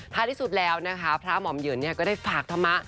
ถ้าที่สุดแล้วนะคะพระหม่อมเหยินก็ได้ฝากธรรมะ